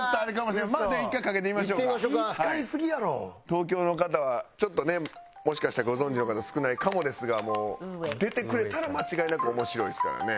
東京の方はちょっとねもしかしたらご存じの方少ないかもですがもう出てくれたら間違いなく面白いですからね。